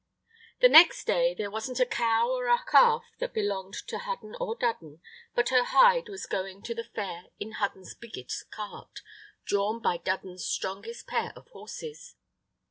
The next day there wasn't a cow or a calf that belonged to Hudden or Dudden but her hide was going to the fair in Hudden's biggest cart, drawn by Dudden's strongest pair of horses.